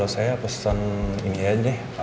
kalau saya pesen ini aja deh